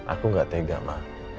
aku gak tega ma